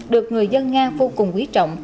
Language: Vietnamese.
được người dân nga vô cùng quý trọng